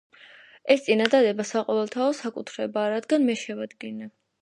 ეს წინადადება საყოველთაო საკუთრებაა, რადგან მე შევადგინე.